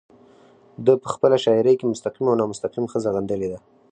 ده په خپله شاعرۍ کې مستقيم او نامستقيم ښځه غندلې ده